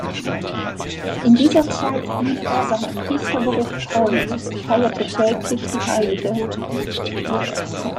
In dieser Zeit blieb er seinem Priesterberuf treu, feierte täglich die hl.